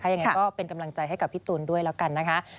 ยังไงก็เป็นกำลังใจให้กับพี่ตูนด้วยแล้วกันนะคะ